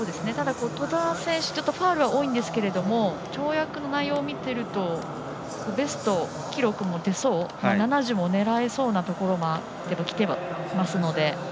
兎澤選手ファウルは多いんですが跳躍の内容を見てるとベスト記録も出そう７０も狙えそうなところまできてはいますので。